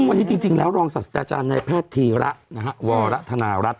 นี่นี่นี่นี่นี่นี่นี่นี่นี่